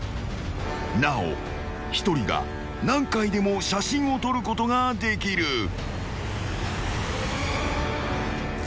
［なお一人が何回でも写真を撮ることができる］